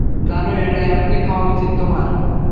জানো, এটা এখনই খাওয়া উচিত তোমার।